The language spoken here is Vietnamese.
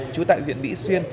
chú tại huyện mỹ xuyên